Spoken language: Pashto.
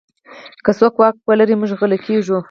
که څوک واک ولري، موږ غلی کېږو.